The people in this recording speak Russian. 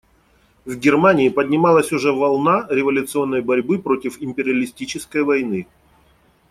В Германии поднималась уже волна революционной борьбы против империалистической войны.